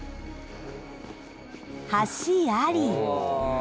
橋あり。